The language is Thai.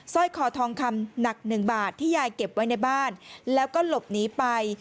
ร้อยคอทองคำหนักหนึ่งบาทที่ยายเก็บไว้ในบ้านแล้วก็หลบหนีไป